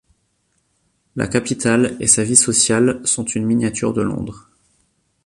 La capitale et sa vie sociale sont une miniature de Londres.